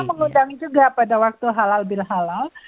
tapi kita mengundang juga pada waktu halal bil halal